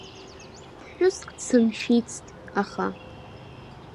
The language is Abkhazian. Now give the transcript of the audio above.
Ԥҳәыск дсымшәицт аха.